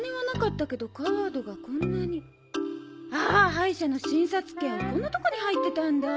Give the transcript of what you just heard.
歯医者の診察券こんなとこに入ってたんだ。